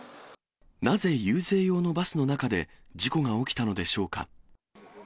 なぜ遊説用のバスの中で事故が起きたのでしょうか。